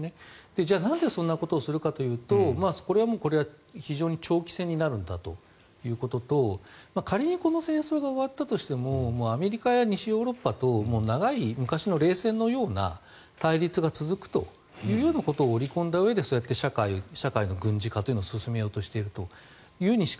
じゃあなんでそんなことをするかというとこれは非常に長期戦になるんだということと仮にこの戦争が終わったとしてもアメリカや西ヨーロッパと長い昔の冷戦のような対立が続くというようなことを織り込んだうえでそうやって社会の軍事化というのを進めようとしているとしか。